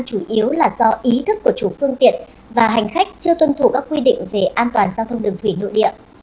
chủ yếu là do ý thức của chủ phương tiện và hành khách chưa tuân thủ các quy định về an toàn giao thông đường thủy nội địa